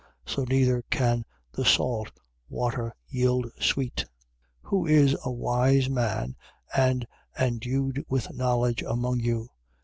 So neither can the salt water yield sweet. 3:13. Who is a wise man and endued with knowledge, among you?